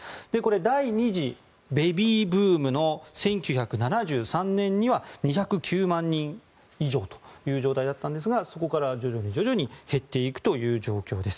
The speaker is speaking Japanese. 第２次ベビーブームの１９７３年には２０９万人以上という状態だったんですがそこから徐々に徐々に減っていくという状況です。